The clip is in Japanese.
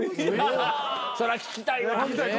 そりゃ聞きたいわ。